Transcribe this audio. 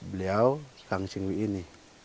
beliau kang singwi ini